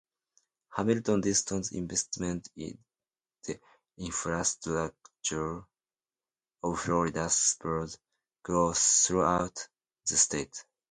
Hamilton Disston's investment in the infrastructure of Florida spurred growth throughout the state.